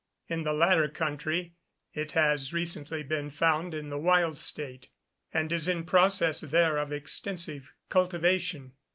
In the latter country, it has recently been found in a wild state, and is in process there of extensive cultivation.